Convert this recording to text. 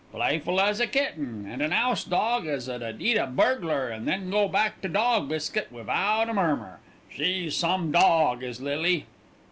"Playful as a kitten, and an 'ouse dog as 'ud eat a burglar an' then go back to dawg biscuit wivout a murmur. She's some dawg, is Lily!"